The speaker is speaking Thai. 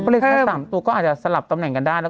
ก็เลยแค่๓ตัวก็อาจจะสลับตำแหน่งกันได้